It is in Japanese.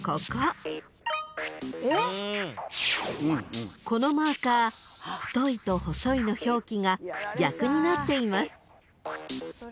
［このマーカー太いと細いの表記が逆になっています］